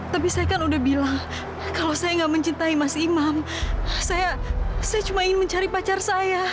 tapi saya kan udah bilang kalau saya nggak mencintai mas imam saya cuma ingin mencari pacar saya